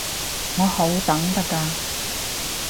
我好等得㗎